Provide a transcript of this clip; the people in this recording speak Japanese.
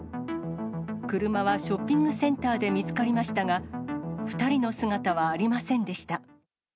車はショッピングセンターで見つかりましたが、２人の姿はありませんでした。